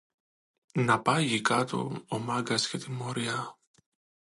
Να πάγει κάτω ο Μάγκας για τιμωρία